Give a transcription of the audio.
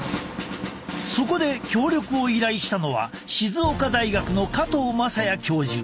そこで協力を依頼したのは静岡大学の加藤雅也教授。